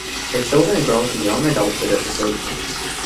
The children grow to young adulthood at the slave camp.